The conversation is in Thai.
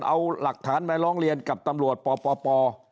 เอาหลักฐานมาร้องเรียนกับตำรวจปป